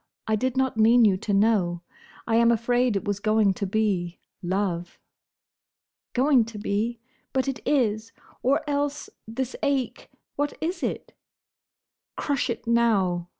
I did not mean you to know. I am afraid it was going to be—love." "Going to be! But it is! Or else, this ache? What is it?" "Crush it now!"